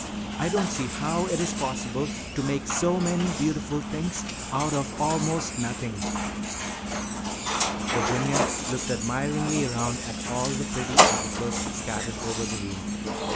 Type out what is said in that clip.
I don't see how it is possible to make so many beautiful things out of almost nothing." Virginia looked admiringly around at all the pretty articles scattered over the room.